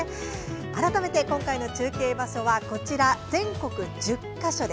改めて、今回の中継場所はこちら全国１０か所。